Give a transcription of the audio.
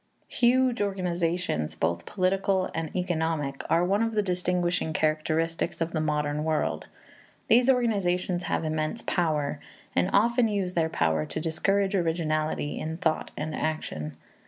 Huge organizations, both political and economic, are one of the distinguishing characteristics of the modern world. These organizations have immense power, and often use their power to discourage originality in thought and action.